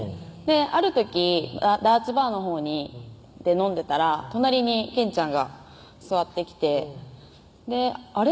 ある時ダーツバーのほうで飲んでたら隣に賢ちゃんが座ってきて「あれ？